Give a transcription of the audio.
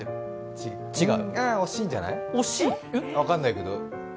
分かんないけど。